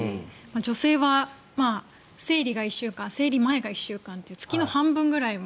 女性は生理が１週間生理前が１週間って月の半分ぐらい